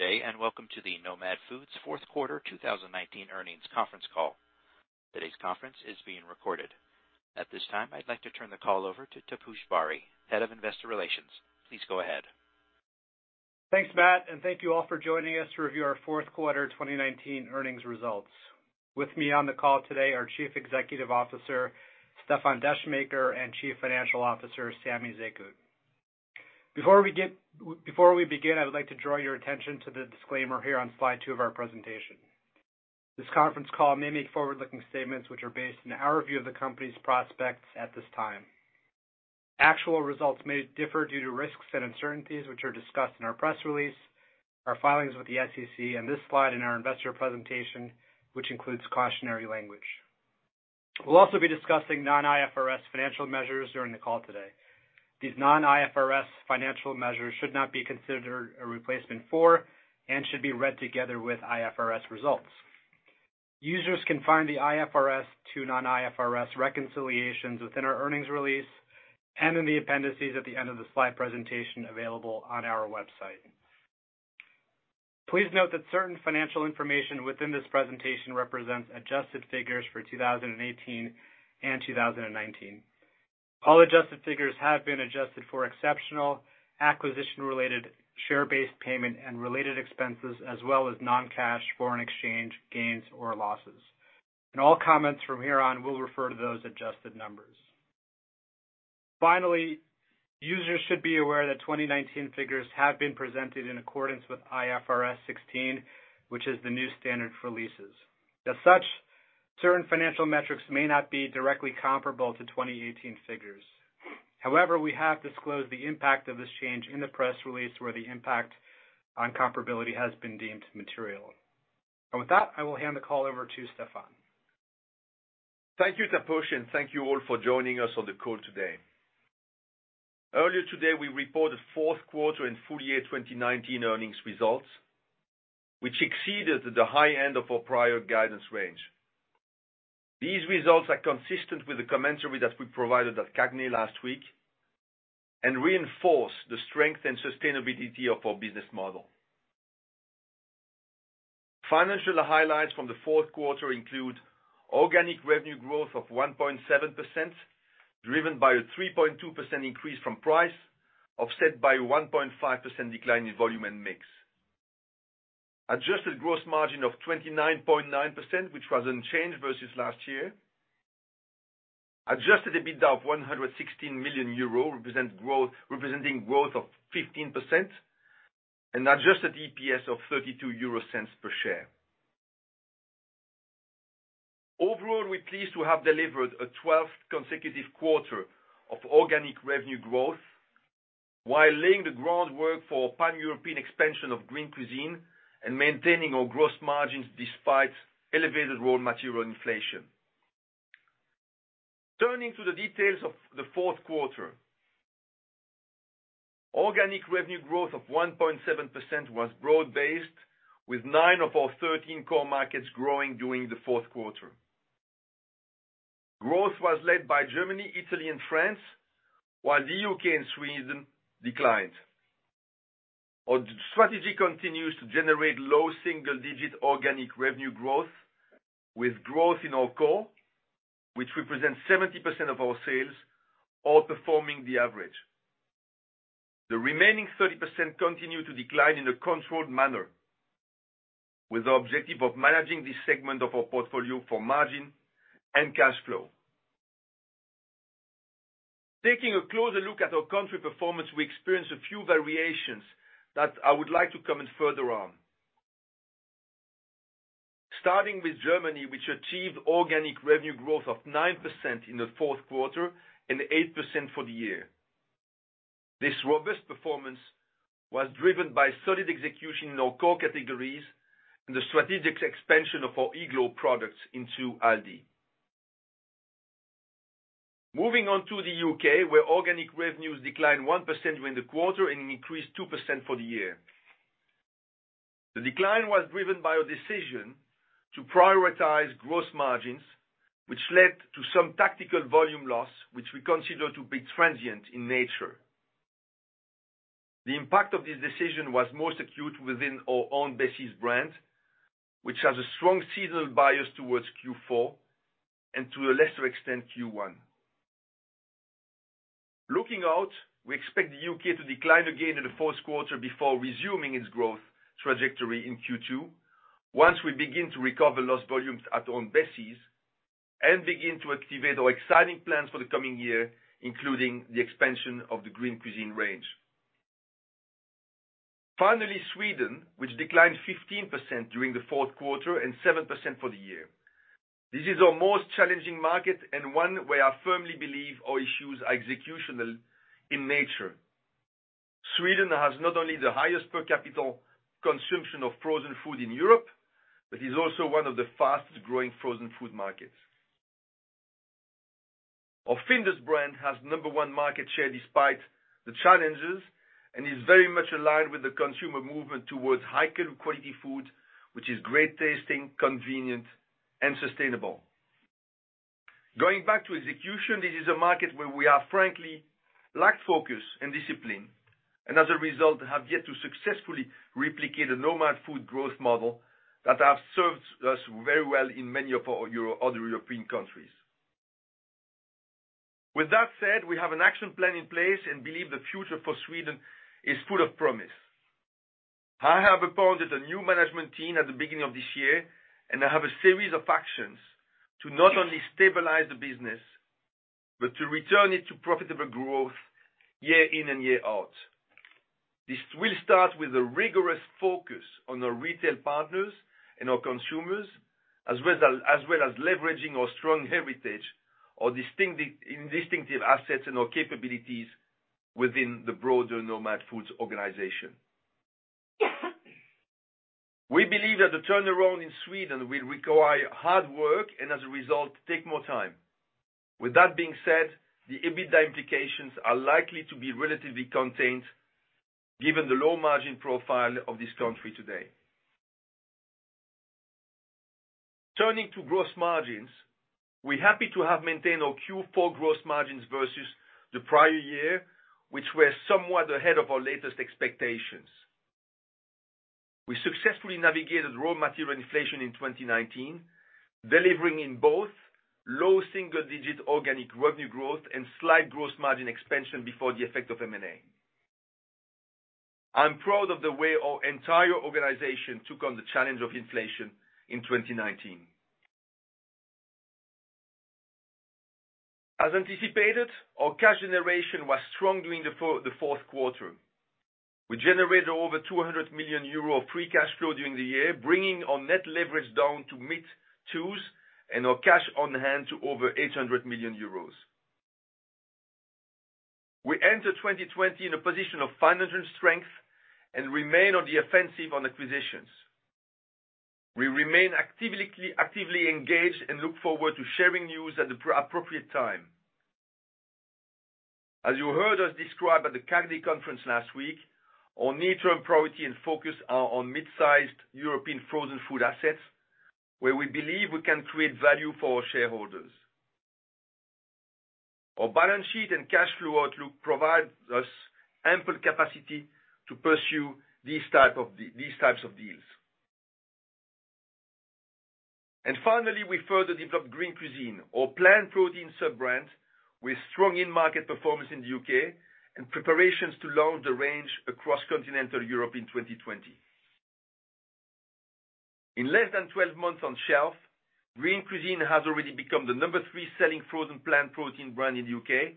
Today and welcome to the Nomad Foods fourth quarter 2019 earnings conference call. Today's conference is being recorded. At this time, I'd like to turn the call over to Taposh Bari, Head of Investor Relations. Please go ahead. Thanks, Matt, thank you all for joining us to review our fourth quarter 2019 earnings results. With me on the call today are Chief Executive Officer, Stefan Descheemaeker, and Chief Financial Officer, Samy Zekhout. Before we begin, I would like to draw your attention to the disclaimer here on slide two of our presentation. This conference call may make forward-looking statements which are based on our view of the company's prospects at this time. Actual results may differ due to risks and uncertainties, which are discussed in our press release, our filings with the SEC, and this slide in our investor presentation, which includes cautionary language. We'll also be discussing non-IFRS financial measures during the call today. These non-IFRS financial measures should not be considered a replacement for, and should be read together with IFRS results. Users can find the IFRS to non-IFRS reconciliations within our earnings release and in the appendices at the end of the slide presentation available on our website. Please note that certain financial information within this presentation represents adjusted figures for 2018 and 2019. All adjusted figures have been adjusted for exceptional acquisition-related share-based payment and related expenses, as well as non-cash foreign exchange gains or losses. In all comments from here on, we'll refer to those adjusted numbers. Finally, users should be aware that 2019 figures have been presented in accordance with IFRS 16, which is the new standard for leases. As such, certain financial metrics may not be directly comparable to 2018 figures. However, we have disclosed the impact of this change in the press release where the impact on comparability has been deemed material. With that, I will hand the call over to Stefan. Thank you, Taposh. Thank you all for joining us on the call today. Earlier today, we reported fourth quarter and full year 2019 earnings results, which exceeded the high end of our prior guidance range. These results are consistent with the commentary that we provided at CAGNY last week and reinforce the strength and sustainability of our business model. Financial highlights from the fourth quarter include organic revenue growth of 1.7%, driven by a 3.2% increase from price, offset by a 1.5% decline in volume and mix. Adjusted gross margin of 29.9%, which was unchanged versus last year. Adjusted EBITDA of 116 million euro, representing growth of 15%, and adjusted EPS of 0.32 per share. Overall, we're pleased to have delivered a 12th consecutive quarter of organic revenue growth while laying the groundwork for pan-European expansion of Green Cuisine and maintaining our gross margins despite elevated raw material inflation. Turning to the details of the fourth quarter. Organic revenue growth of 1.7% was broad-based, with nine of our 13 core markets growing during the fourth quarter. Growth was led by Germany, Italy, and France, while the U.K. and Sweden declined. Our strategy continues to generate low single-digit organic revenue growth, with growth in our core, which represents 70% of our sales outperforming the average. The remaining 30% continue to decline in a controlled manner with the objective of managing this segment of our portfolio for margin and cash flow. Taking a closer look at our country performance, we experienced a few variations that I would like to comment further on. Starting with Germany, which achieved organic revenue growth of 9% in the fourth quarter and 8% for the year. This robust performance was driven by solid execution in our core categories and the strategic expansion of our Iglo products into Aldi. Moving on to the U.K., where organic revenues declined 1% during the quarter and increased 2% for the year. The decline was driven by a decision to prioritize gross margins, which led to some tactical volume loss, which we consider to be transient in nature. The impact of this decision was most acute within our Aunt Bessie's brand, which has a strong seasonal bias towards Q4 and to a lesser extent, Q1. Looking out, we expect the U.K. to decline again in the first quarter before resuming its growth trajectory in Q2 once we begin to recover lost volumes at Aunt Bessie's and begin to activate our exciting plans for the coming year, including the expansion of the Green Cuisine range. Finally, Sweden, which declined 15% during the fourth quarter and 7% for the year. This is our most challenging market and one where I firmly believe our issues are executional in nature. Sweden has not only the highest per capita consumption of frozen food in Europe, but is also one of the fastest growing frozen food markets. Our Findus brand has number 1 market share despite the challenges and is very much aligned with the consumer movement towards high quality food, which is great tasting, convenient, and sustainable. Going back to execution, this is a market where we have frankly lacked focus and discipline, and as a result, have yet to successfully replicate a Nomad Foods growth model that have served us very well in many other European countries. With that said, we have an action plan in place and believe the future for Sweden is full of promise. I have appointed a new management team at the beginning of this year, and I have a series of actions to not only stabilize the business, but to return it to profitable growth year in and year out. This will start with a rigorous focus on our retail partners and our consumers, as well as leveraging our strong heritage, our distinctive assets and our capabilities within the broader Nomad Foods organization. We believe that the turnaround in Sweden will require hard work, and as a result, take more time. With that being said, the EBITDA implications are likely to be relatively contained given the low margin profile of this country today. Turning to gross margins, we're happy to have maintained our Q4 gross margins versus the prior year, which were somewhat ahead of our latest expectations. We successfully navigated raw material inflation in 2019, delivering in both low single-digit organic revenue growth and slight gross margin expansion before the effect of M&A. I'm proud of the way our entire organization took on the challenge of inflation in 2019. As anticipated, our cash generation was strong during the fourth quarter. We generated over 200 million euro of free cash flow during the year, bringing our net leverage down to mid-twos and our cash on hand to over 800 million euros. We enter 2020 in a position of financial strength and remain on the offensive on acquisitions. We remain actively engaged and look forward to sharing news at the appropriate time. As you heard us describe at the CAGNY conference last week, our near-term priority and focus are on mid-sized European frozen food assets, where we believe we can create value for our shareholders. Our balance sheet and cash flow outlook provide us ample capacity to pursue these types of deals. Finally, we further developed Green Cuisine, our plant protein sub-brand with strong in-market performance in the U.K. and preparations to launch the range across continental Europe in 2020. In less than 12 months on shelf, Green Cuisine has already become the number 3 selling frozen plant protein brand in the U.K.,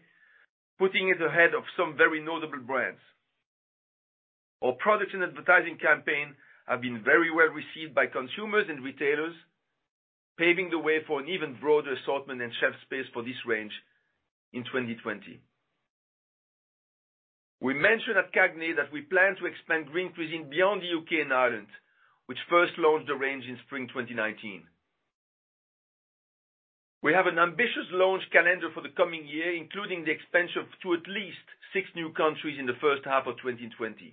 putting it ahead of some very notable brands. Our products and advertising campaign have been very well received by consumers and retailers, paving the way for an even broader assortment and shelf space for this range in 2020. We mentioned at CAGNY that we plan to expand Green Cuisine beyond the U.K. and Ireland, which first launched the range in spring 2019. We have an ambitious launch calendar for the coming year, including the expansion to at least six new countries in the first half of 2020.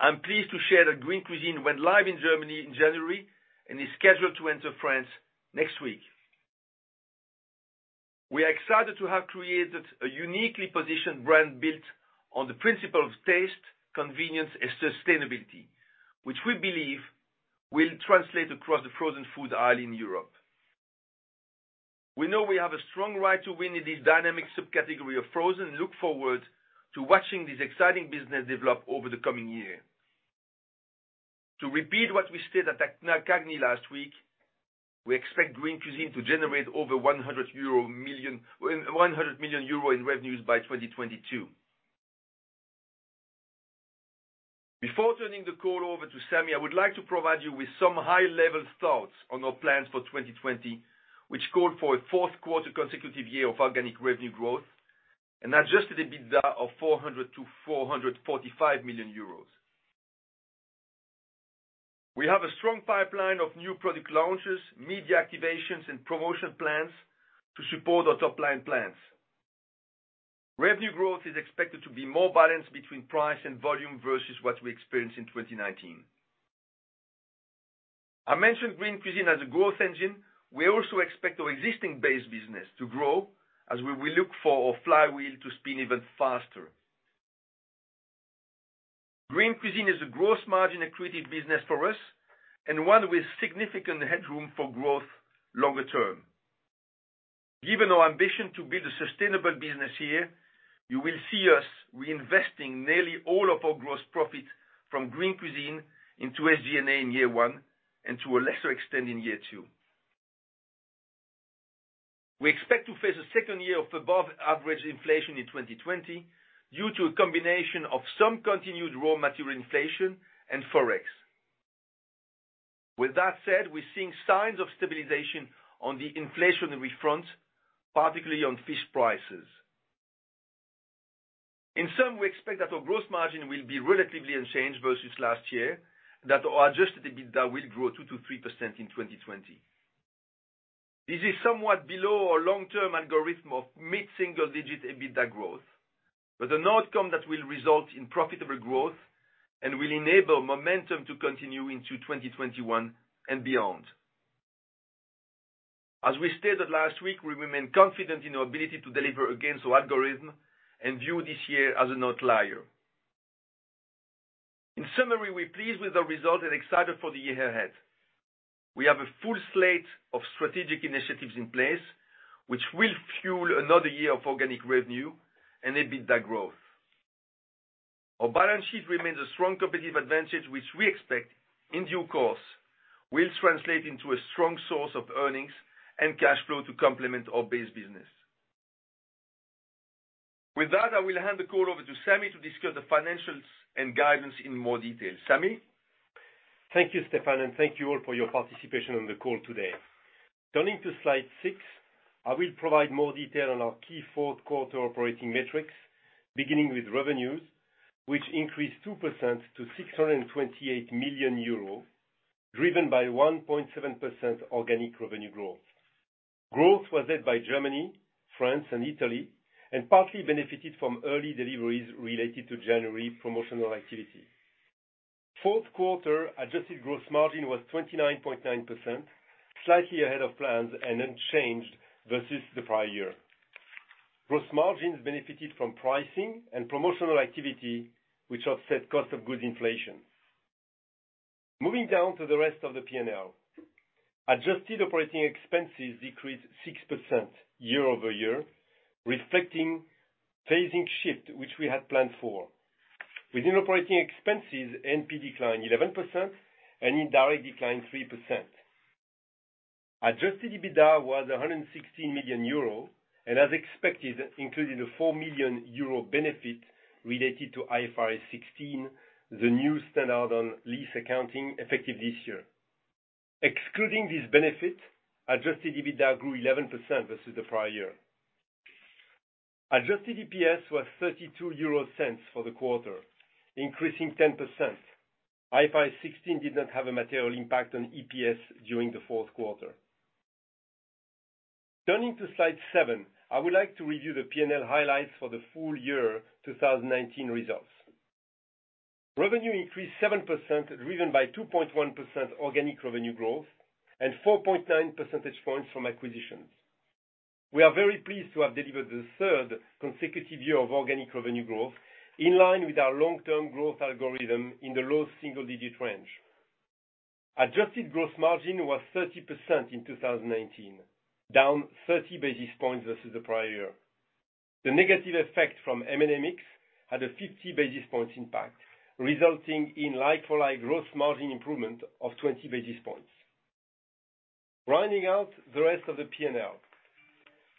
I'm pleased to share that Green Cuisine went live in Germany in January and is scheduled to enter France next week. We are excited to have created a uniquely positioned brand built on the principle of taste, convenience, and sustainability, which we believe will translate across the frozen food aisle in Europe. We know we have a strong right to win in this dynamic subcategory of frozen and look forward to watching this exciting business develop over the coming year. To repeat what we said at CAGNY last week, we expect Green Cuisine to generate over 100 million euro in revenues by 2022. Before turning the call over to Samy, I would like to provide you with some high-level thoughts on our plans for 2020, which call for a fourth consecutive year of organic revenue growth and adjusted EBITDA of 400 million-445 million euros. We have a strong pipeline of new product launches, media activations, and promotion plans to support our top line plans. Revenue growth is expected to be more balanced between price and volume versus what we experienced in 2019. I mentioned Green Cuisine as a growth engine. We also expect our existing base business to grow as we look for our flywheel to spin even faster. Green Cuisine is a gross margin accretive business for us and one with significant headroom for growth longer term. Given our ambition to build a sustainable business here, you will see us reinvesting nearly all of our gross profit from Green Cuisine into SG&A in year one and to a lesser extent in year two. We expect to face a second year of above-average inflation in 2020 due to a combination of some continued raw material inflation and Forex. With that said, we're seeing signs of stabilization on the inflationary front, particularly on fish prices. In sum, we expect that our gross margin will be relatively unchanged versus last year, that our adjusted EBITDA will grow 2%-3% in 2020. This is somewhat below our long-term algorithm of mid-single digit EBITDA growth. An outcome that will result in profitable growth and will enable momentum to continue into 2021 and beyond. As we stated last week, we remain confident in our ability to deliver against our algorithm and view this year as an outlier. In summary, we're pleased with our results and excited for the year ahead. We have a full slate of strategic initiatives in place, which will fuel another year of organic revenue and EBITDA growth. Our balance sheet remains a strong competitive advantage, which we expect, in due course, will translate into a strong source of earnings and cash flow to complement our base business. With that, I will hand the call over to Samy to discuss the financials and guidance in more detail. Samy? Thank you, Stefan, and thank you all for your participation on the call today. Turning to slide 6, I will provide more detail on our key fourth quarter operating metrics, beginning with revenues, which increased 2% to 628 million euro, driven by 1.7% organic revenue growth. Growth was led by Germany, France, and Italy, and partly benefited from early deliveries related to January promotional activity. Fourth quarter adjusted gross margin was 29.9%, slightly ahead of plans and unchanged versus the prior year. Gross margins benefited from pricing and promotional activity, which offset cost of goods inflation. Moving down to the rest of the P&L. Adjusted operating expenses decreased 6% year-over-year, reflecting phasing shift, which we had planned for. Within operating expenses, A&P declined 11% and indirect declined 3%. Adjusted EBITDA was 160 million euro, and as expected, including the 4 million euro benefit related to IFRS 16, the new standard on lease accounting effective this year. Excluding this benefit, adjusted EBITDA grew 11% versus the prior year. Adjusted EPS was 0.32 for the quarter, increasing 10%. IFRS 16 did not have a material impact on EPS during the fourth quarter. Turning to slide 7, I would like to review the P&L highlights for the full year 2019 results. Revenue increased 7%, driven by 2.1% organic revenue growth and 4.9 percentage points from acquisitions. We are very pleased to have delivered the third consecutive year of organic revenue growth, in line with our long-term growth algorithm in the low single-digit range. Adjusted gross margin was 30% in 2019, down 30 basis points versus the prior year. The negative effect from M&A mix had a 50 basis points impact, resulting in like-for-like gross margin improvement of 20 basis points. Rounding out the rest of the P&L.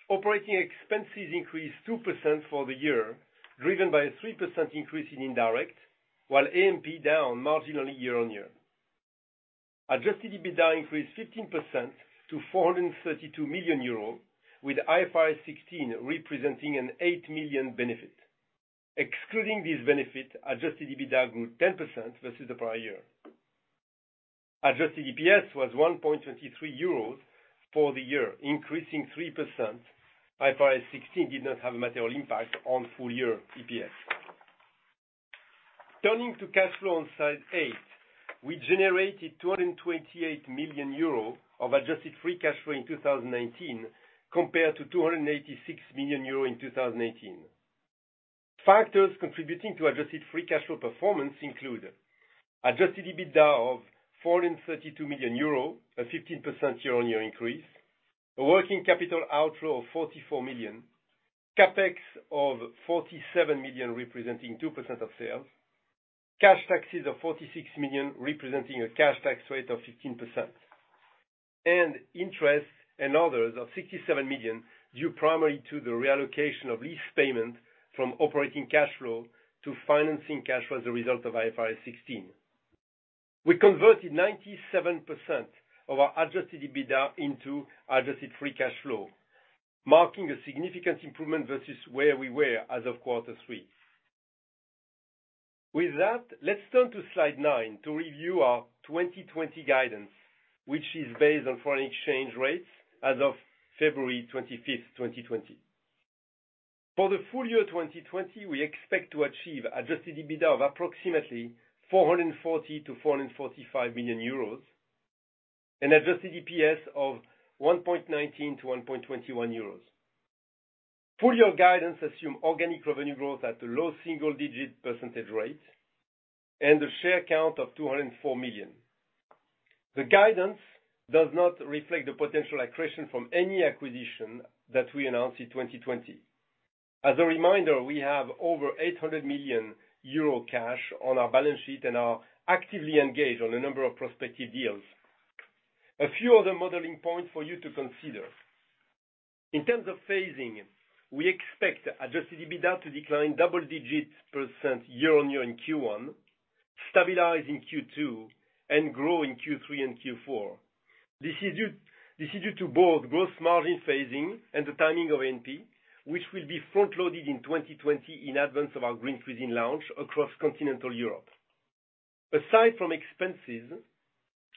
Operating expenses increased 2% for the year, driven by a 3% increase in indirect, while A&P down marginally year-on-year. Adjusted EBITDA increased 15% to 432 million euro, with IFRS 16 representing an 8 million benefit. Excluding this benefit, adjusted EBITDA grew 10% versus the prior year. Adjusted EPS was 1.23 euros for the year, increasing 3%. IFRS 16 did not have a material impact on full year EPS. Turning to cash flow on slide 8, we generated 228 million euro of adjusted free cash flow in 2019 compared to 286 million euro in 2018. Factors contributing to adjusted free cash flow performance include adjusted EBITDA of 432 million euro, a 15% year-on-year increase, a working capital outflow of 44 million, CapEx of 47 million representing 2% of sales, cash taxes of 46 million representing a cash tax rate of 15%, and interest and others of 67 million due primarily to the reallocation of lease payment from operating cash flow to financing cash flow as a result of IFRS 16. We converted 97% of our adjusted EBITDA into adjusted free cash flow, marking a significant improvement versus where we were as of quarter three. With that, let's turn to slide 9 to review our 2020 guidance, which is based on foreign exchange rates as of February 25th, 2020. For the full year 2020, we expect to achieve adjusted EBITDA of approximately 440 million-445 million euros and adjusted EPS of 1.19-1.21 euros. Full year guidance assume organic revenue growth at a low single-digit percentage rate and a share count of 204 million. The guidance does not reflect the potential accretion from any acquisition that we announce in 2020. As a reminder, we have over 800 million euro cash on our balance sheet and are actively engaged on a number of prospective deals. A few other modeling points for you to consider. In terms of phasing, we expect adjusted EBITDA to decline double-digits percent year-on-year in Q1, stabilize in Q2, and grow in Q3 and Q4. This is due to both gross margin phasing and the timing of A&P, which will be front-loaded in 2020 in advance of our Green Cuisine launch across continental Europe. Aside from expenses,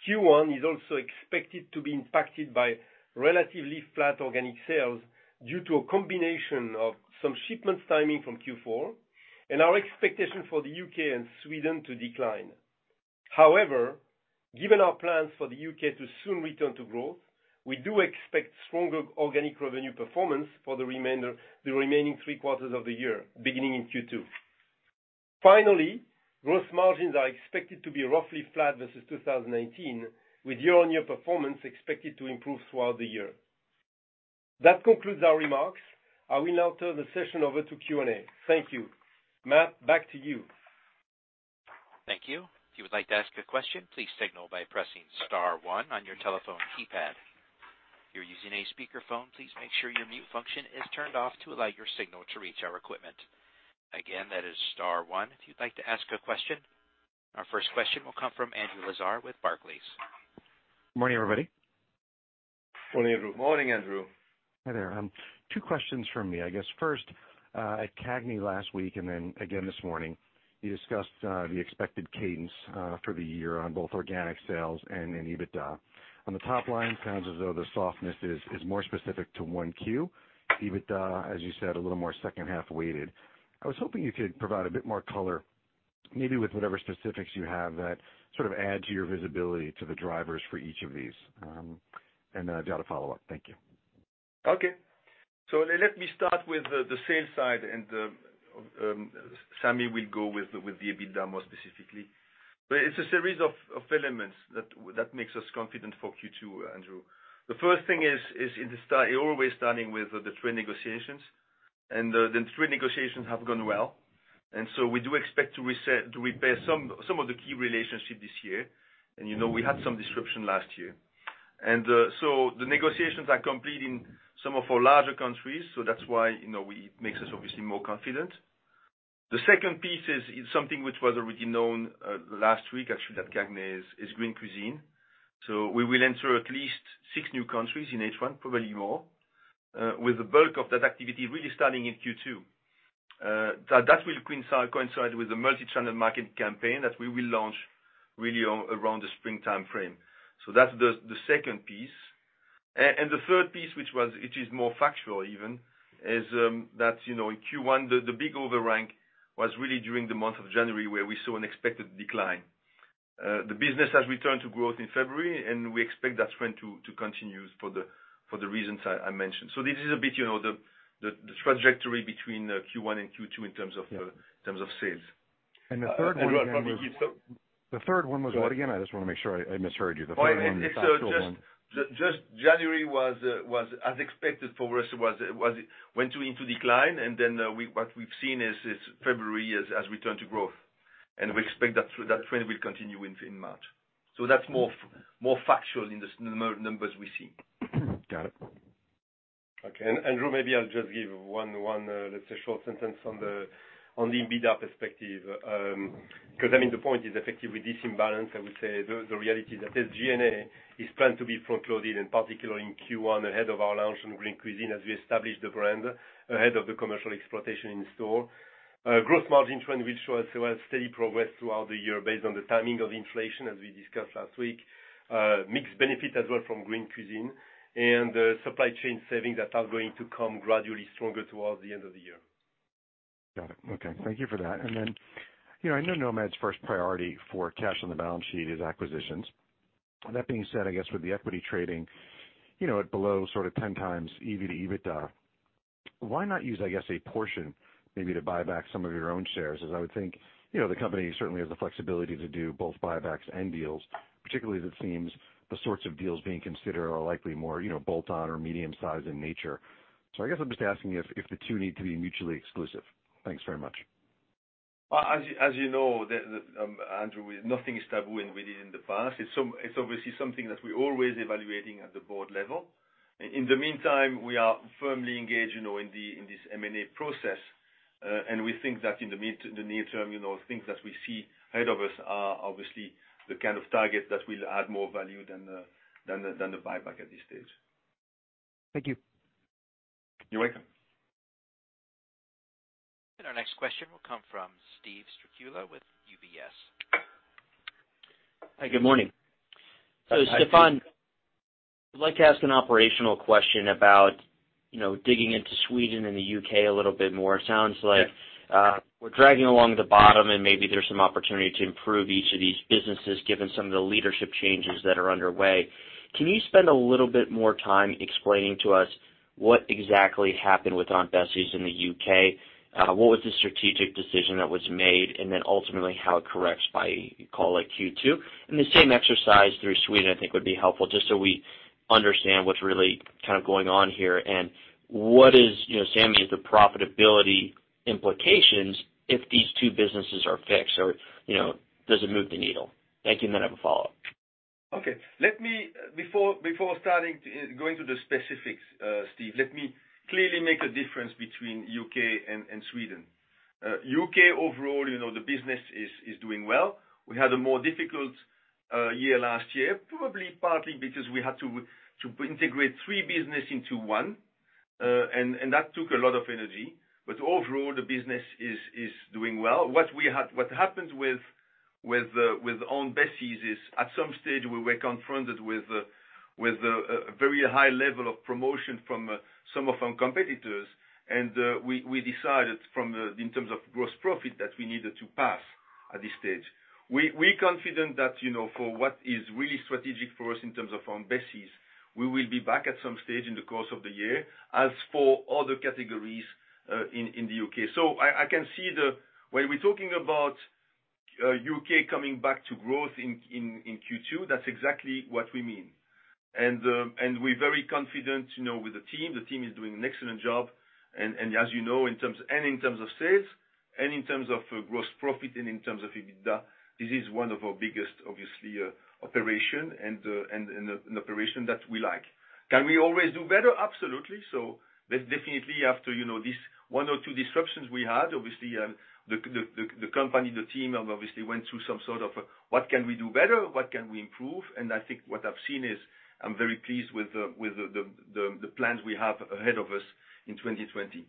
Q1 is also expected to be impacted by relatively flat organic sales due to a combination of some shipments timing from Q4 and our expectation for the U.K. and Sweden to decline. Given our plans for the U.K. to soon return to growth, we do expect stronger organic revenue performance for the remaining three quarters of the year, beginning in Q2. Growth margins are expected to be roughly flat versus 2019, with year-on-year performance expected to improve throughout the year. That concludes our remarks. I will now turn the session over to Q&A. Thank you. Matt, back to you. Thank you. If you would like to ask a question, please signal by pressing star one on your telephone keypad. If you're using a speakerphone, please make sure your mute function is turned off to allow your signal to reach our equipment. Again, that is star one, if you'd like to ask a question. Our first question will come from Andrew Lazar with Barclays. Morning, everybody. Morning, Andrew. Morning, Andrew. Hi there. Two questions from me. I guess, first, at CAGNY last week, and then again this morning, you discussed the expected cadence for the year on both organic sales and in EBITDA. On the top line, sounds as though the softness is more specific to one Q. EBITDA, as you said, a little more second half weighted. I was hoping you could provide a bit more color, maybe with whatever specifics you have that sort of add to your visibility to the drivers for each of these. I've got a follow-up. Thank you. Okay. Let me start with the sales side, and Samy will go with the EBITDA more specifically. It's a series of elements that makes us confident for Q2, Andrew. The first thing is always starting with the trade negotiations, and the trade negotiations have gone well. We do expect to repair some of the key relationships this year. You know we had some disruption last year. The negotiations are complete in some of our larger countries, so that's why it makes us obviously more confident. The second piece is something which was already known last week, actually, at CAGNY, is Green Cuisine. We will enter at least six new countries in H1, probably more, with the bulk of that activity really starting in Q2. That will coincide with the multi-channel market campaign that we will launch really around the springtime frame. That's the second piece. The third piece, which is more factual even, is that in Q1, the big overhang was really during the month of January, where we saw an expected decline. The business has returned to growth in February, and we expect that trend to continue for the reasons I mentioned. This is the trajectory between Q1 and Q2 in terms of sales. The third one was- Andrew, I'll probably. The third one was what again? I just want to make sure. I misheard you. The third one, the factual one. January was as expected for us, went into decline, and then what we've seen is February has returned to growth. We expect that trend will continue in March. That's more factual in the numbers we see. Got it. Okay. Andrew, maybe I'll just give one, let's say short sentence on the EBITDA perspective, because the point is effectively this imbalance, I would say, the reality that this G&A is planned to be front-loaded, particularly in Q1, ahead of our launch on Green Cuisine, as we establish the brand ahead of the commercial exploitation in store. Growth margin trend, which shows steady progress throughout the year based on the timing of inflation, as we discussed last week. Mixed benefit as well from Green Cuisine, and supply chain savings that are going to come gradually stronger towards the end of the year. Got it. Okay. Thank you for that. I know Nomad Foods' first priority for cash on the balance sheet is acquisitions. That being said, I guess with the equity trading, at below sort of 10x EBITDA, why not use, I guess, a portion maybe to buy back some of your own shares? I would think, the company certainly has the flexibility to do both buybacks and deals, particularly as it seems the sorts of deals being considered are likely more bolt-on or medium-sized in nature. I guess I'm just asking if the two need to be mutually exclusive. Thanks very much. As you know, Andrew, nothing is taboo we did in the past. It's obviously something that we're always evaluating at the board level. In the meantime, we are firmly engaged in this M&A process, we think that in the near term, things that we see ahead of us are obviously the kind of targets that will add more value than the buyback at this stage. Thank you. You're welcome. Our next question will come from Steven Strycula with UBS. Hi, good morning. Stefan, I'd like to ask an operational question about digging into Sweden and the U.K. a little bit more. Yeah we're dragging along the bottom, and maybe there's some opportunity to improve each of these businesses, given some of the leadership changes that are underway. Can you spend a little bit more time explaining to us what exactly happened with Aunt Bessie's in the U.K.? What was the strategic decision that was made, and then ultimately how it corrects by, call it Q2? The same exercise through Sweden, I think would be helpful, just so we understand what's really kind of going on here and what is, Samy, is the profitability implications if these two businesses are fixed or does it move the needle? Thank you. I have a follow-up. Okay. Before starting to go into the specifics, Steve, let me clearly make the difference between U.K. and Sweden. U.K. overall, the business is doing well. We had a more difficult year last year, probably partly because we had to integrate three businesses into one. That took a lot of energy, but overall, the business is doing well. What happened with Aunt Bessie's is at some stage we were confronted with a very high level of promotion from some of our competitors, and we decided in terms of gross profit, that we needed to pass at this stage. We're confident that for what is really strategic for us in terms of Aunt Bessie's, we will be back at some stage in the course of the year, as for other categories in the U.K. I can see when we're talking about U.K. coming back to growth in Q2, that's exactly what we mean. We're very confident with the team. The team is doing an excellent job and as you know, in terms of sales, in terms of gross profit, and in terms of EBITDA, this is one of our biggest, obviously, operation and an operation that we like. Can we always do better? Absolutely. Definitely after this one or two disruptions we had, obviously, the company, the team obviously went through some sort of, what can we do better, what can we improve? I think what I've seen is I'm very pleased with the plans we have ahead of us in 2020.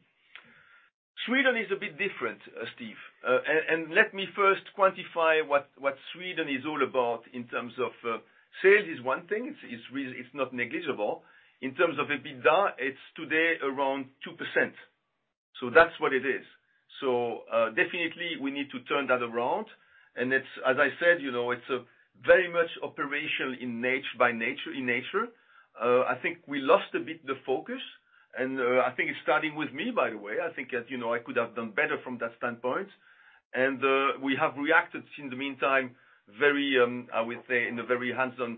Sweden is a bit different, Steve. Let me first quantify what Sweden is all about in terms of sales is one thing, it's not negligible. In terms of EBITDA, it's today around 2%. That's what it is. Definitely we need to turn that around and as I said, it's a very much operational in nature. I think we lost a bit the focus and I think it's starting with me, by the way. I think I could have done better from that standpoint. We have reacted in the meantime, I would say, in a very hands-on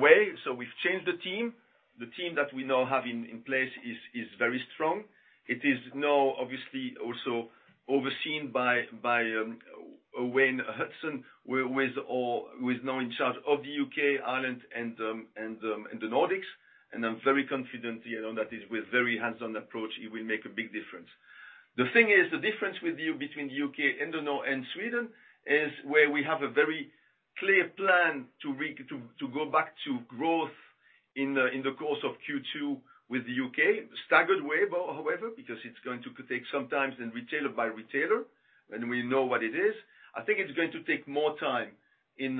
way. We've changed the team. The team that we now have in place is very strong. It is now obviously also overseen by Wayne Hudson who is now in charge of the U.K., Ireland, and the Nordics, and I'm very confident that with very hands-on approach, he will make a big difference. The thing is, the difference between U.K. and Sweden is where we have a very clear plan to go back to growth in the course of Q2 with the U.K., staggered way, however, because it's going to take some time and retailer by retailer, and we know what it is. I think it's going to take more time in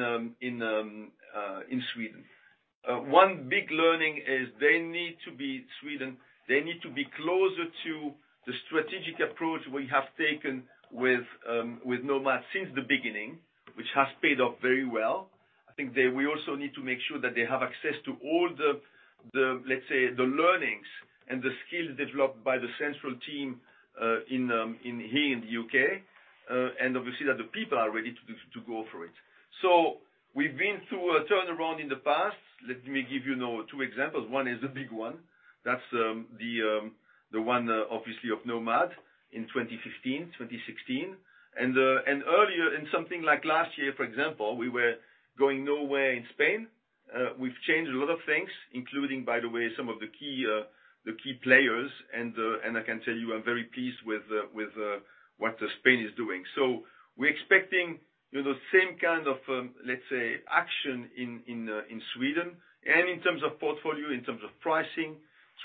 Sweden. One big learning is Sweden, they need to be closer to the strategic approach we have taken with Nomad since the beginning, which has paid off very well. I think we also need to make sure that they have access to all the, let's say, the learnings and the skills developed by the central team here in the U.K., and obviously that the people are ready to go for it. We've been through a turnaround in the past. Let me give you two examples. One is the big one. That's the one, obviously, of Nomad in 2015, 2016. Earlier, in something like last year, for example, we were going nowhere in Spain. We've changed a lot of things, including, by the way, some of the key players and I can tell you, I'm very pleased with what Spain is doing. We're expecting the same kind of, let's say, action in Sweden and in terms of portfolio, in terms of pricing,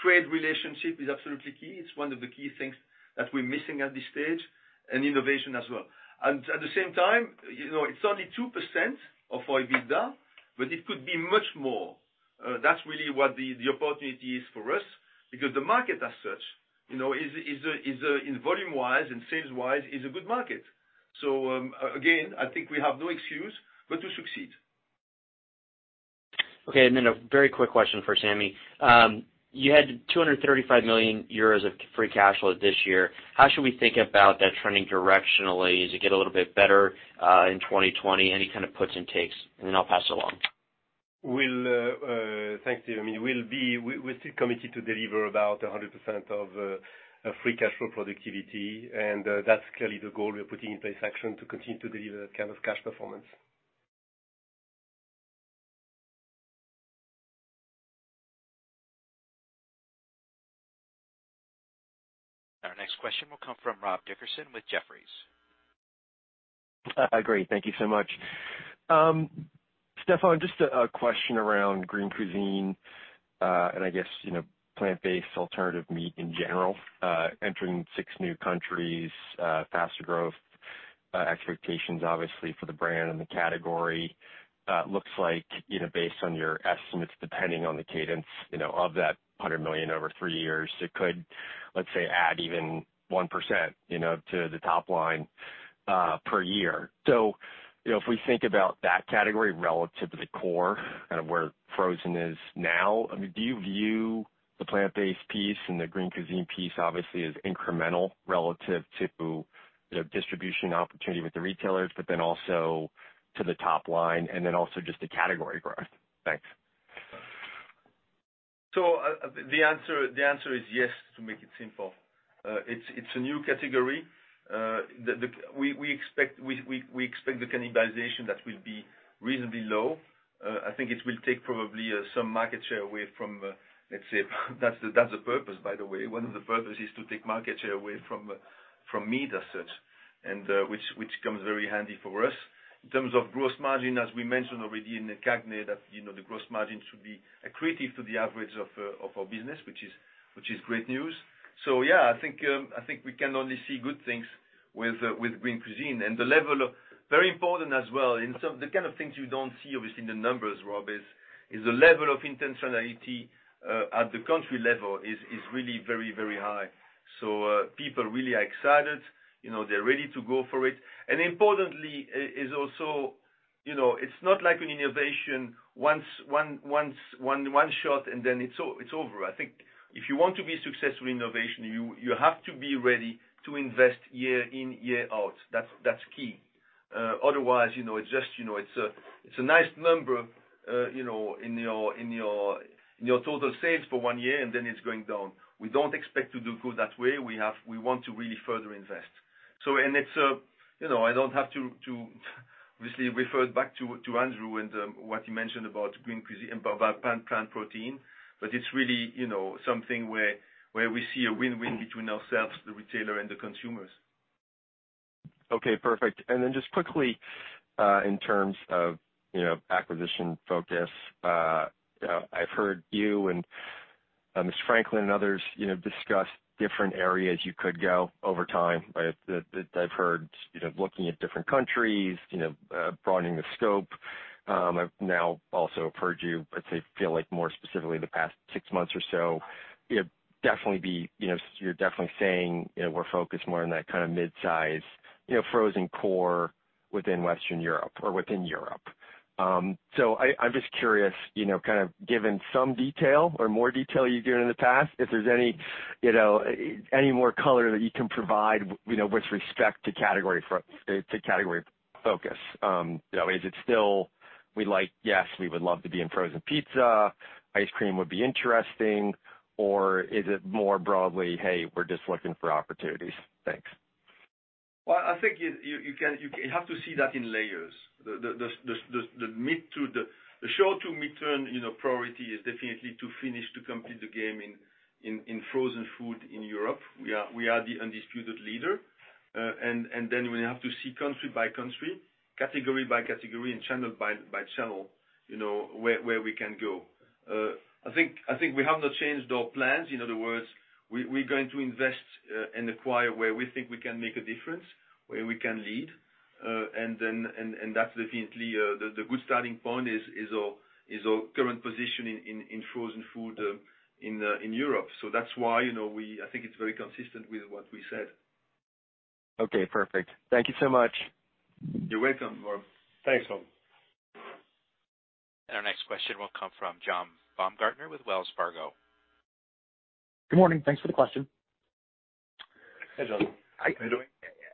trade relationship is absolutely key. It's one of the key things that we're missing at this stage and innovation as well. At the same time, it's only 2% of our EBITDA, but it could be much more. That's really what the opportunity is for us because the market as such, in volume wise and sales wise is a good market. Again, I think we have no excuse but to succeed. Okay. A very quick question for Samy. You had 235 million euros of free cash flow this year. How should we think about that trending directionally? Does it get a little bit better, in 2020? Any kind of puts and takes? I'll pass it along. Thanks, Steve. We're still committed to deliver about 100% of free cash flow productivity. That's clearly the goal we're putting in place action to continue to deliver that kind of cash performance. Our next question will come from Robert Dickerson with Jefferies. Great. Thank you so much. Stefan, just a question around Green Cuisine, and I guess, plant-based alternative meat in general, entering six new countries, faster growth, expectations, obviously, for the brand and the category, looks like, based on your estimates, depending on the cadence of that 100 million over three years, it could, let's say, add even 1% to the top line per year. If we think about that category relative to the core, kind of where frozen is now, do you view the plant-based piece and the Green Cuisine piece obviously as incremental relative to distribution opportunity with the retailers, but then also to the top line and then also just the category growth? Thanks. The answer is yes, to make it simple. It's a new category. We expect the cannibalization will be reasonably low. I think it will take probably some market share away from, let's say. That's the purpose, by the way. One of the purposes is to take market share away from meat as such. Which comes very handy for us. In terms of gross margin, as we mentioned already in the CAGNY, the gross margin should be accretive to the average of our business, which is great news. Yeah, I think we can only see good things with Green Cuisine. Very important as well, the kind of things you don't see obviously in the numbers, Rob, is the level of intentionality at the country level is really very, very high. People really are excited. They're ready to go for it. Importantly is also, it's not like an innovation, one shot, and then it's over. I think if you want to be a successful innovation, you have to be ready to invest year in, year out. That's key. Otherwise, it's a nice number in your total sales for one year, and then it's going down. We don't expect to do good that way. We want to really further invest. I don't have to obviously refer back to Andrew and what he mentioned about Green Cuisine, about plant protein, but it's really something where we see a win-win between ourselves, the retailer, and the consumers. Okay, perfect. Then just quickly, in terms of acquisition focus, I've heard you and Martin Franklin and others discuss different areas you could go over time, right? I've heard, looking at different countries, broadening the scope. I've now also heard you, I'd say, feel like more specifically in the past six months or so, you're definitely saying we're focused more on that mid-size, frozen core within Western Europe or within Europe. I'm just curious, kind of given some detail or more detail you gave in the past, if there's any more color that you can provide with respect to category focus. Is it still, "We'd like Yes, we would love to be in frozen pizza. Ice cream would be interesting," or is it more broadly, "Hey, we're just looking for opportunities." Thanks. Well, I think you have to see that in layers. The short to midterm priority is definitely to finish to complete the game in frozen food in Europe. We are the undisputed leader. Then we have to see country by country, category by category and channel by channel, where we can go. I think we have not changed our plans. In other words, we're going to invest and acquire where we think we can make a difference, where we can lead. That's definitely the good starting point is our current position in frozen food in Europe. That's why I think it's very consistent with what we said. Okay, perfect. Thank you so much. You're welcome, Rob. Thanks, Rob. Our next question will come from John Baumgartner with Wells Fargo. Good morning. Thanks for the question. Hey, John. How you doing?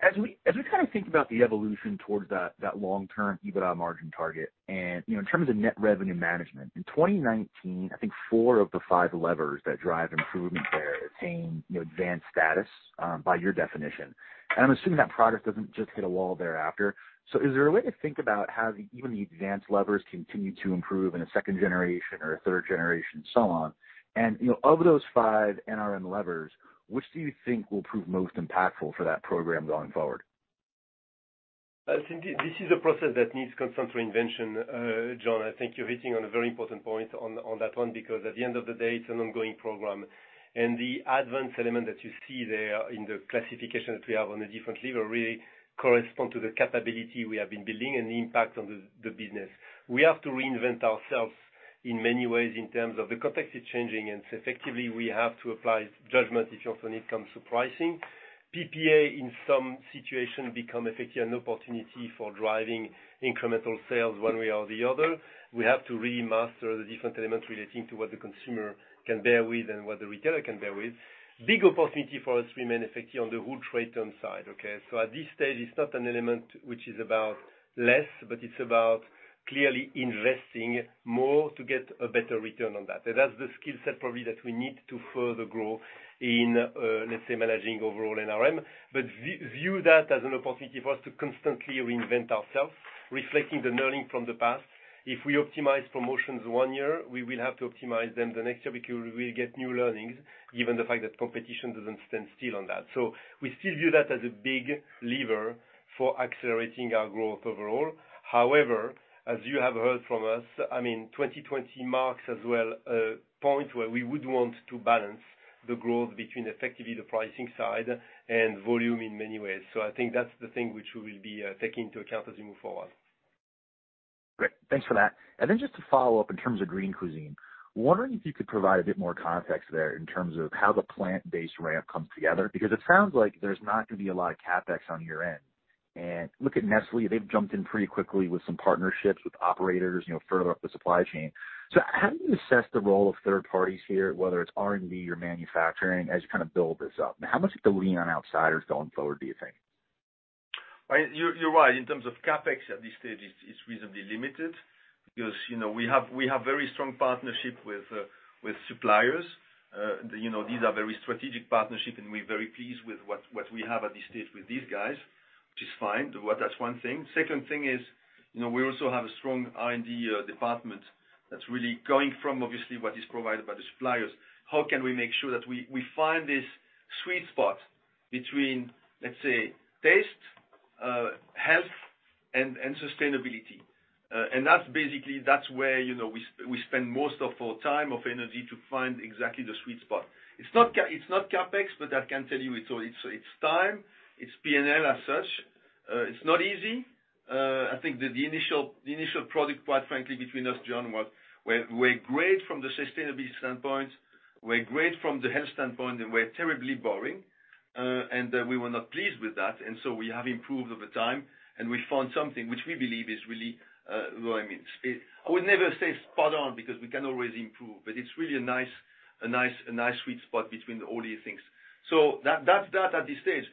As we kind of think about the evolution towards that long-term EBITDA margin target, and in terms of net revenue management, in 2019, I think four of the five levers that drive improvement there attained advanced status by your definition, and I'm assuming that progress doesn't just hit a wall thereafter. Is there a way to think about how even the advanced levers continue to improve in a second generation or a third generation and so on? Of those five NRM levers, which do you think will prove most impactful for that program going forward? I think this is a process that needs constant reinvention, John. I think you're hitting on a very important point on that one, because at the end of the day, it's an ongoing program. The advanced element that you see there in the classification that we have on a different lever really correspond to the capability we have been building and the impact on the business. We have to reinvent ourselves in many ways in terms of the context is changing, and so effectively, we have to apply judgment if often it comes to pricing. PPA, in some situation, become effectively an opportunity for driving incremental sales one way or the other. We have to really master the different elements relating to what the consumer can bear with and what the retailer can bear with. Big opportunity for us remain effectively on the whole trade term side. At this stage, it's not an element which is about less, but it's about clearly investing more to get a better return on that. That's the skill set probably that we need to further grow in, let's say, managing overall NRM. View that as an opportunity for us to constantly reinvent ourselves, reflecting the learning from the past. If we optimize promotions one year, we will have to optimize them the next year because we'll get new learnings, given the fact that competition doesn't stand still on that. We still view that as a big lever for accelerating our growth overall. However, as you have heard from us, 2020 marks as well a point where we would want to balance the growth between effectively the pricing side and volume in many ways. I think that's the thing which we will be taking into account as we move forward. Great. Thanks for that. Then just to follow up in terms of Green Cuisine, wondering if you could provide a bit more context there in terms of how the plant-based ramp comes together, because it sounds like there's not going to be a lot of CapEx on your end. Look at Nestlé, they've jumped in pretty quickly with some partnerships with operators further up the supply chain. How do you assess the role of third parties here, whether it's R&D or manufacturing, as you kind of build this up? How much of the lean on outsiders going forward do you think? You're right. In terms of CapEx at this stage, it's reasonably limited because we have very strong partnership with suppliers. These are very strategic partnership, and we're very pleased with what we have at this stage with these guys, which is fine. That's one thing. Second thing is, we also have a strong R&D department. That's really going from obviously what is provided by the suppliers. How can we make sure that we find this sweet spot between, let's say, taste, health, and sustainability? That's basically where we spend most of our time, of energy to find exactly the sweet spot. It's not CapEx, but I can tell you it's time, it's P&L as such. It's not easy. I think that the initial product, quite frankly, between us, John, was we're great from the sustainability standpoint, we're great from the health standpoint, and we're terribly boring. We were not pleased with that, and so we have improved over time, and we found something which we believe is really growing. I would never say spot on because we can always improve, but it's really a nice sweet spot between all these things. That's that at this stage.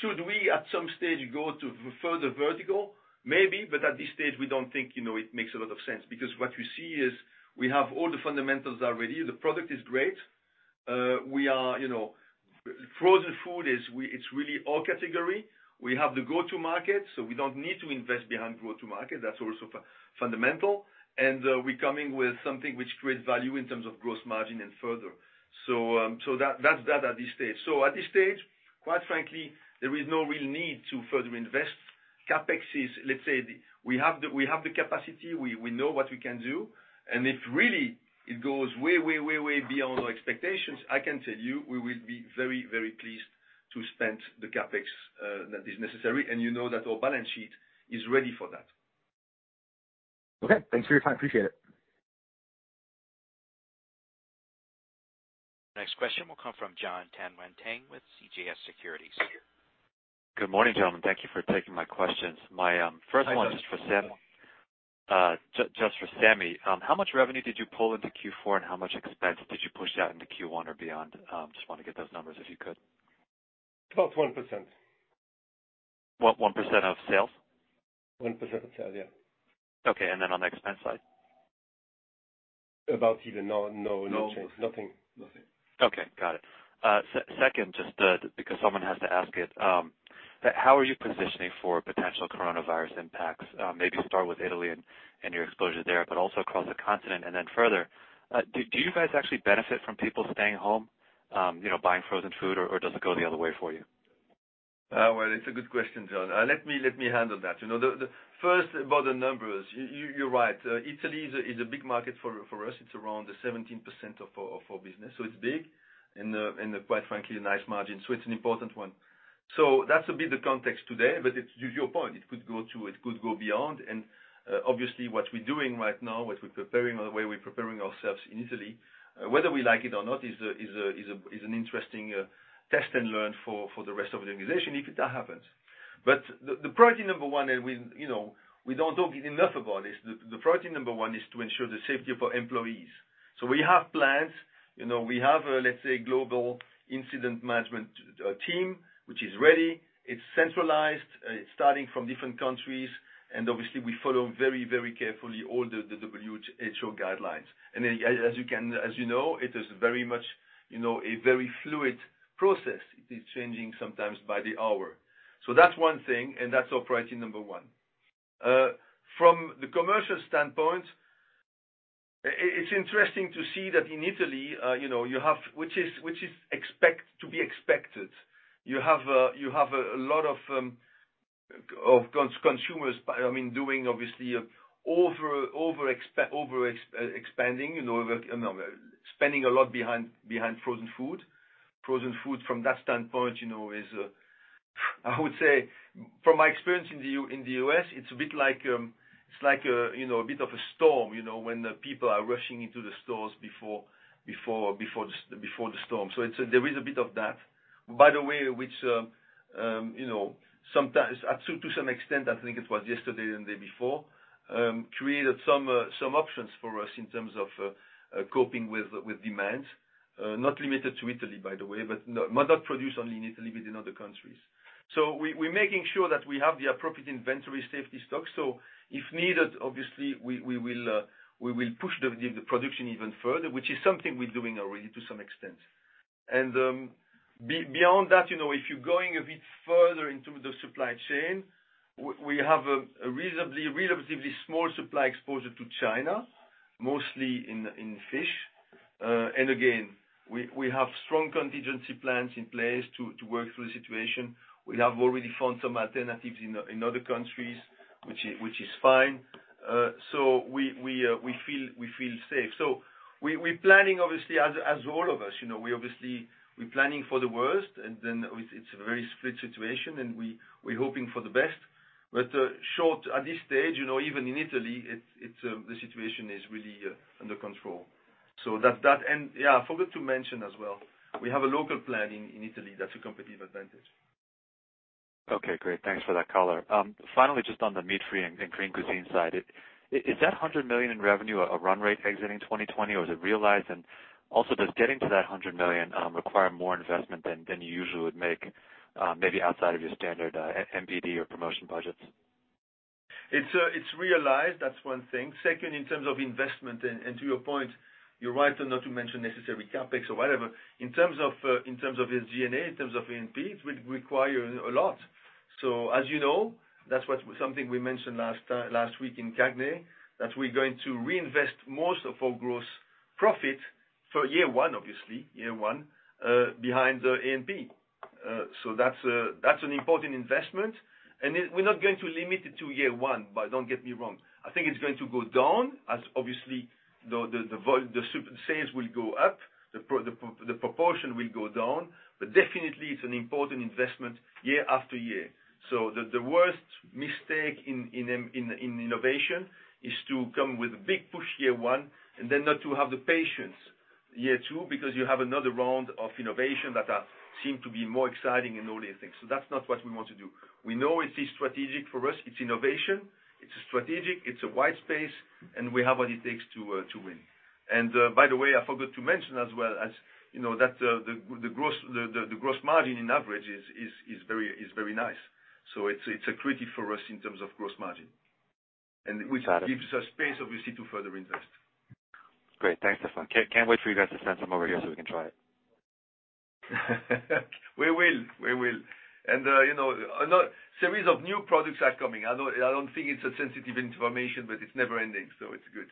Should we, at some stage, go to further vertical? Maybe, but at this stage we don't think it makes a lot of sense, because what we see is we have all the fundamentals are ready. The product is great. Frozen food, it's really our category. We have the go-to market, so we don't need to invest behind go-to market. That's also fundamental. We're coming with something which creates value in terms of gross margin and further. That's that at this stage. At this stage, quite frankly, there is no real need to further invest. CapEx is, let's say, we have the capacity, we know what we can do, and if really it goes way beyond our expectations, I can tell you we will be very pleased to spend the CapEx that is necessary, and you know that our balance sheet is ready for that. Okay. Thanks for your time. Appreciate it. Next question will come from Jon Tanwanteng with CJS Securities. Good morning, gentlemen. Thank you for taking my questions. My first one is just for Samy. How much revenue did you pull into Q4, and how much expense did you push out into Q1 or beyond? Just want to get those numbers if you could. About 1%. 1% of sales? 1% of sales, yeah. Okay, then on the expense side? About either no change. Nothing. Okay, got it. Second, just because someone has to ask it, how are you positioning for potential coronavirus impacts? Maybe start with Italy and your exposure there, but also across the continent and then further. Do you guys actually benefit from people staying home, buying frozen food, or does it go the other way for you? Well, it's a good question, Jon. Let me handle that. First, about the numbers. You're right. Italy is a big market for us. It's around 17% of our business, so it's big, and quite frankly, a nice margin. It's an important one. That's a bit the context today, but to your point, it could go beyond, and obviously, what we're doing right now, what we're preparing, the way we're preparing ourselves in Italy, whether we like it or not, is an interesting test and learn for the rest of the organization if that happens. The priority number one, and we don't talk enough about this, the priority number one is to ensure the safety of our employees. We have plans. We have, let's say, global incident management team, which is ready. It's centralized. It's starting from different countries, and obviously, we follow very carefully all the WHO guidelines. As you know, it is very much a very fluid process. It is changing sometimes by the hour. That's one thing, and that's our priority number one. From the commercial standpoint, it's interesting to see that in Italy, which is to be expected, you have a lot of consumers doing obviously overexpanding, spending a lot behind frozen food. Frozen food from that standpoint is, I would say from my experience in the U.S., it's a bit of a storm, when the people are rushing into the stores before the storm. There is a bit of that. By the way, which to some extent, I think it was yesterday and the day before, created some options for us in terms of coping with demand. Not limited to Italy, by the way, but not produced only in Italy, but in other countries. We're making sure that we have the appropriate inventory safety stock. If needed, obviously, we will push the production even further, which is something we're doing already to some extent. Beyond that, if you're going a bit further into the supply chain, we have a relatively small supply exposure to China, mostly in fish. Again, we have strong contingency plans in place to work through the situation. We have already found some alternatives in other countries, which is fine. We feel safe. We're planning, obviously, as all of us, we're planning for the worst, and then it's a very split situation, and we're hoping for the best. Short, at this stage, even in Italy, the situation is really under control. That, and yeah, I forgot to mention as well, we have a local plan in Italy that's a competitive advantage. Okay, great. Thanks for that color. Just on the meat-free and Green Cuisine side. Is that 100 million in revenue a run rate exiting 2020, or is it realized? Does getting to that 100 million require more investment than you usually would make, maybe outside of your standard NPD or promotion budgets? It's realized, that's one thing. Second, in terms of investment, and to your point, you're right not to mention necessary CapEx or whatever. In terms of its G&A, in terms of A&P, it will require a lot. As you know, that's something we mentioned last week in CAGNY, that we're going to reinvest most of our gross profit for year one, obviously, behind the A&P. That's an important investment, and we're not going to limit it to year one, but don't get me wrong. I think it's going to go down as obviously, the sales will go up, the proportion will go down, but definitely it's an important investment year after year. The worst mistake in innovation is to come with a big push year one and then not to have the patience year two, because you have another round of innovation that seem to be more exciting and all these things. That's not what we want to do. We know it is strategic for us, it's innovation. It's strategic, it's a wide space, and we have what it takes to win. By the way, I forgot to mention as well, that the gross margin on average is very nice. It's a credit for us in terms of gross margin, and which gives us space, obviously, to further invest. Great. Thanks, Stefan. Can't wait for you guys to send some over here so we can try it. We will. Series of new products are coming. I don't think it's a sensitive information, but it's never ending, so it's good.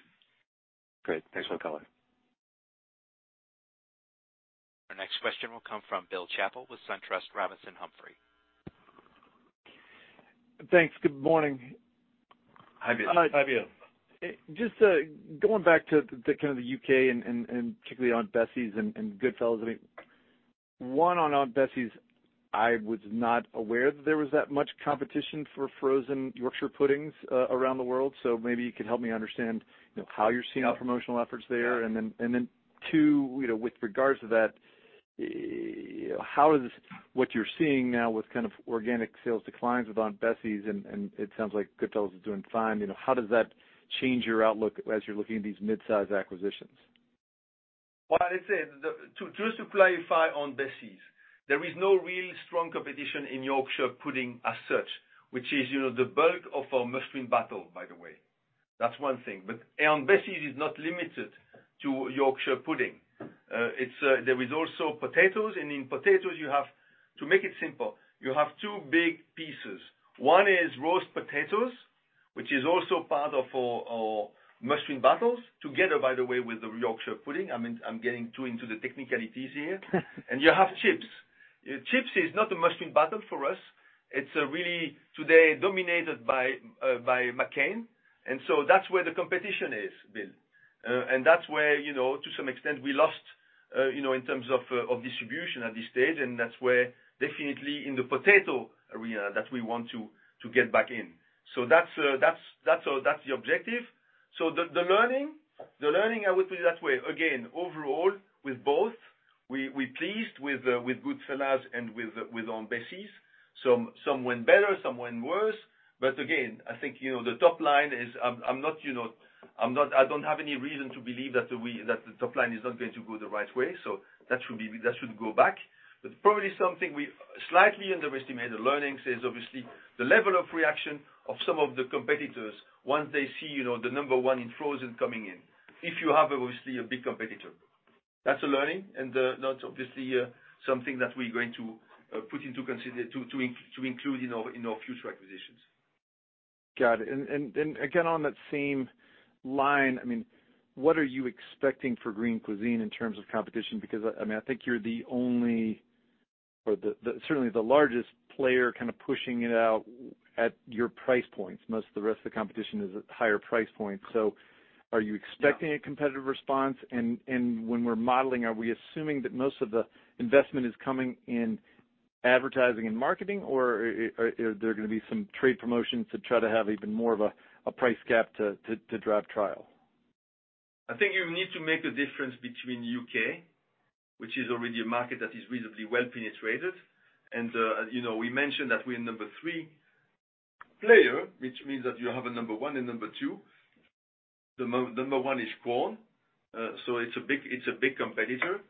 Great. Thanks for the color. Our next question will come from Bill Chappell with SunTrust Robinson Humphrey. Thanks. Good morning. Hi, Bill. Just going back to the kind of the U.K. and particularly Aunt Bessie's and Goodfella's. One, on Aunt Bessie's, I was not aware that there was that much competition for frozen Yorkshire puddings around the world. Maybe you could help me understand how you're seeing promotional efforts there. Two, with regards to that, what you're seeing now with kind of organic sales declines with Aunt Bessie's, and it sounds like Goodfella's is doing fine, how does that change your outlook as you're looking at these mid-size acquisitions? Well, just to clarify on Aunt Bessie's, there is no real strong competition in Yorkshire pudding as such, which is the bulk of our must-win battle, by the way. That's one thing. Aunt Bessie's is not limited to Yorkshire pudding. There is also potatoes, and in potatoes, to make it simple, you have two big pieces. One is roast potatoes, which is also part of our must-win battles together, by the way, with the Yorkshire pudding. I'm getting too into the technicalities here. You have chips. Chips is not a must-win battle for us. It's really today dominated by McCain Foods, that's where the competition is, Bill. That's where, to some extent, we lost, in terms of distribution at this stage, and that's where definitely in the potato arena that we want to get back in. That's the objective. The learning I would put it that way. Again, overall, with both, we're pleased with Goodfella's and with Aunt Bessie's. Some went better, some went worse. Again, I think, the top line is I don't have any reason to believe that the top line is not going to go the right way, so that should go back. Probably something we slightly underestimated, learnings is obviously the level of reaction of some of the competitors once they see the number one in frozen coming in. If you have, obviously, a big competitor. That's a learning, and that's obviously something that we're going to put into consideration to include in our future acquisitions. Got it. Again, on that same line, what are you expecting for Green Cuisine in terms of competition? I think you're the only, or certainly the largest player kind of pushing it out at your price points. Most of the rest of the competition is at higher price points. Are you expecting a competitive response? When we're modeling, are we assuming that most of the investment is coming in advertising and marketing, or are there going to be some trade promotions to try to have even more of a price gap to drive trial? I think you need to make a difference between U.K., which is already a market that is reasonably well penetrated, and we mentioned that we're number 3 player, which means that you have a number 1 and number 2. The number 1 is Quorn, it's a big competitor.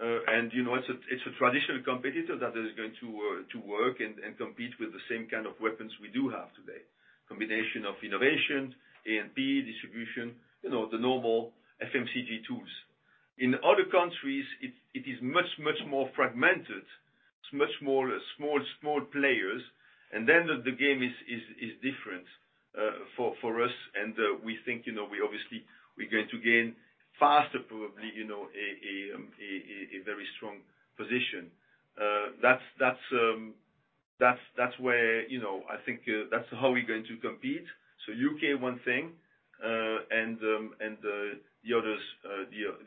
It's a traditional competitor that is going to work and compete with the same kind of weapons we do have today. Combination of innovation, A&P, distribution, the normal FMCG tools. In other countries, it is much, much more fragmented. It's much more small players. The game is different for us. We think, obviously, we're going to gain faster probably, a very strong position. That's how we're going to compete. U.K. one thing, and the others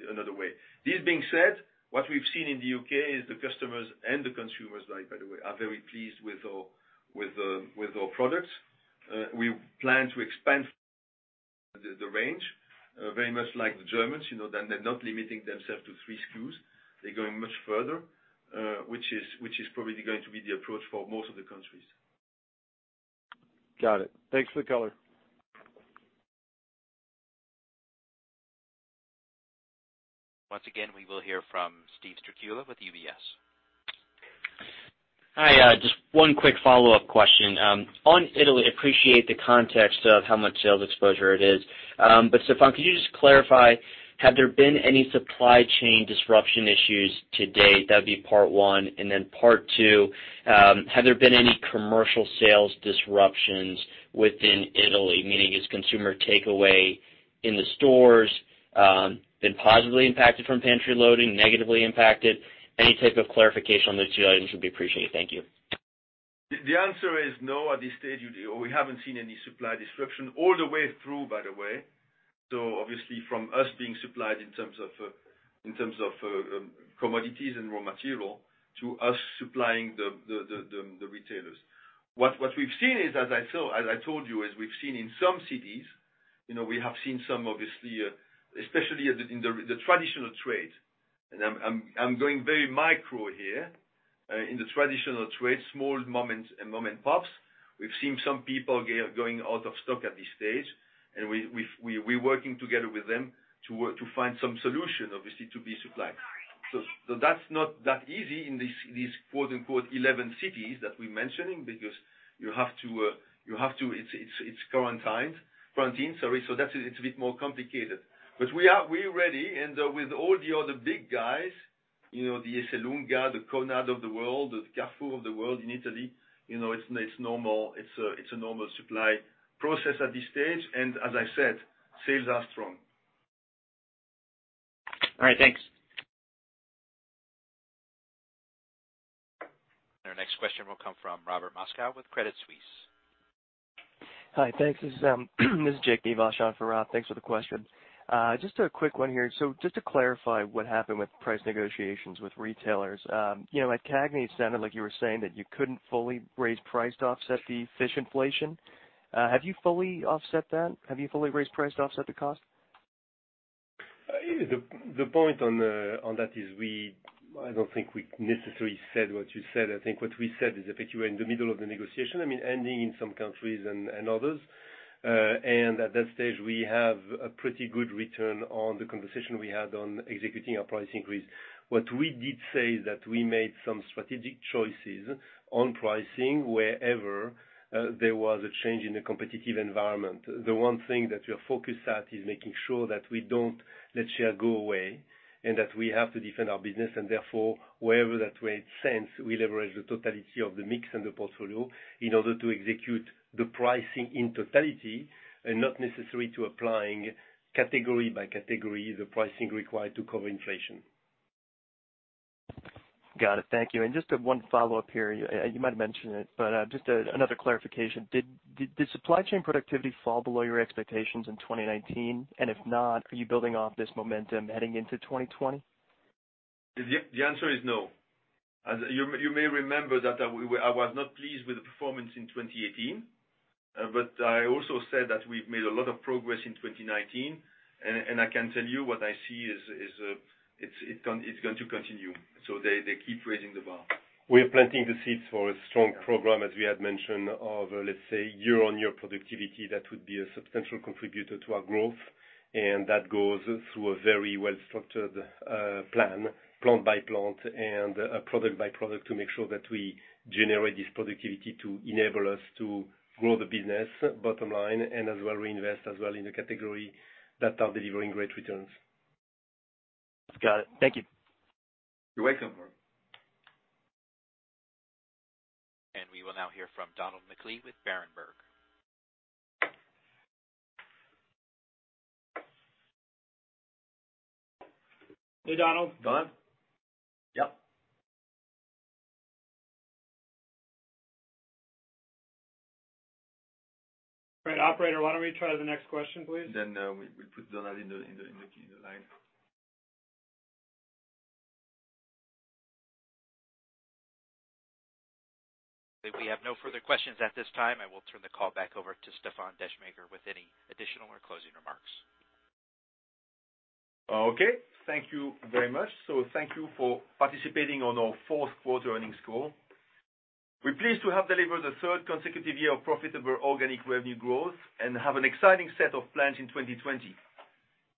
another way. This being said, what we've seen in the U.K. is the customers and the consumers, by the way, are very pleased with our products. We plan to expand the range, very much like the Germans. They're not limiting themselves to 3 SKUs. They're going much further, which is probably going to be the approach for most of the countries. Got it. Thanks for the color. Once again, we will hear from Steven Strycula with UBS. Hi. Just one quick follow-up question. On Italy, appreciate the context of how much sales exposure it is. Stefan, could you just clarify, have there been any supply chain disruption issues to date? That'd be part one. Part two, have there been any commercial sales disruptions within Italy? Meaning is consumer takeaway in the stores been positively impacted from pantry loading, negatively impacted? Any type of clarification on those two items would be appreciated. Thank you. The answer is no, at this stage, we haven't seen any supply disruption all the way through, by the way. Obviously from us being supplied in terms of commodities and raw material to us supplying the retailers. What we've seen is, as I told you, as we've seen in some cities, we have seen some, obviously, especially in the traditional trade, and I'm going very micro here. In the traditional trade, small moment and moment pops. We've seen some people going out of stock at this stage, and we're working together with them to find some solution, obviously, to be supplied. That's not that easy in these quote, unquote, "11 cities" that we're mentioning, because it's quarantined. That's a little bit more complicated. We are ready, and with all the other big guys, the Esselunga, the Conad of the world, the Carrefour of the world in Italy, it's a normal supply process at this stage. As I said, sales are strong. All right, thanks. Our next question will come from Robert Moskow with Credit Suisse. Hi, thanks. This is Jake Nivasch for Rob. Thanks for the question. Just a quick one here. Just to clarify what happened with price negotiations with retailers. At CAGNY it sounded like you were saying that you couldn't fully raise price to offset the fish inflation. Have you fully offset that? Have you fully raised price to offset the cost? The point on that is I don't think we necessarily said what you said. I think what we said is that you were in the middle of the negotiation ending in some countries and others. At that stage, we have a pretty good return on the conversation we had on executing our price increase. What we did say is that we made some strategic choices on pricing wherever there was a change in the competitive environment. The one thing that we are focused at is making sure that we don't let share go away and that we have to defend our business, and therefore, wherever that made sense, we leverage the totality of the mix and the portfolio in order to execute the pricing in totality and not necessary to applying category by category, the pricing required to cover inflation. Got it. Thank you. Just one follow-up here. You might have mentioned it, just another clarification. Did supply chain productivity fall below your expectations in 2019? If not, are you building off this momentum heading into 2020? The answer is no. You may remember that I was not pleased with the performance in 2018, but I also said that we've made a lot of progress in 2019, and I can tell you what I see is it's going to continue. They keep raising the bar. We are planting the seeds for a strong program, as we had mentioned, of, let's say, year-on-year productivity, that would be a substantial contributor to our growth, and that goes through a very well-structured plan, plant by plant, and product by product, to make sure that we generate this productivity to enable us to grow the business bottom line and as well reinvest as well in the category that are delivering great returns. Got it. Thank you. You're welcome. We will now hear from Donald McLee with Berenberg. Hey, Donald. Don? Yep. All right, operator, why don't we try the next question, please? We put Donald in the queue, in the line. If we have no further questions at this time, I will turn the call back over to Stefan Descheemaeker with any additional or closing remarks. Okay. Thank you very much. Thank you for participating on our fourth quarter earnings call. We're pleased to have delivered a third consecutive year of profitable organic revenue growth and have an exciting set of plans in 2020,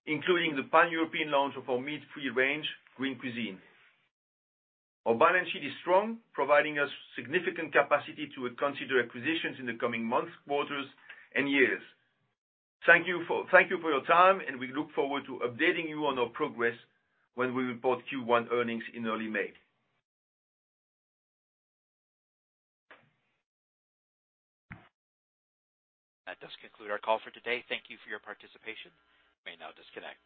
including the pan-European launch of our meat-free range, Green Cuisine. Our balance sheet is strong, providing us significant capacity to consider acquisitions in the coming months, quarters, and years. Thank you for your time, and we look forward to updating you on our progress when we report Q1 earnings in early May. That does conclude our call for today. Thank you for your participation. You may now disconnect.